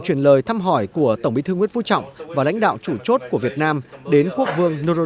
chuyển lời thăm hỏi của tổng bí thư nguyễn phú trọng và lãnh đạo chủ chốt của việt nam đến quốc vương norodo